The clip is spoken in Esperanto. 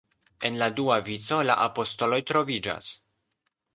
En la dua vico la apostoloj troviĝas.